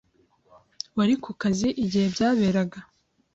Wari ku kazi igihe byaberaga?